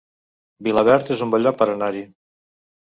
Vilaverd es un bon lloc per anar-hi